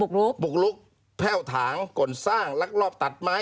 บุกรุกแพร่สงฆ์กลต่างกฎสร้างลักลอบตัดไม้